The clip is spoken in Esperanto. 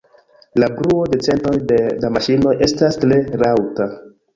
La bruo de centoj da maŝinoj estas tre laŭta.